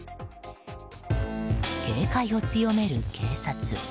警戒を強める警察。